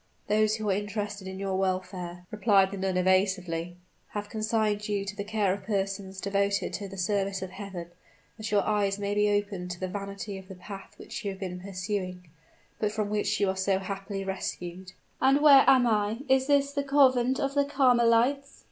"Those who are interested in your welfare," replied the nun evasively, "have consigned you to the care of persons devoted to the service of Heaven, that your eyes may be opened to the vanity of the path which you have been pursuing, but from which you are so happily rescued." "And where am I? is this the Convent of the Carmelites?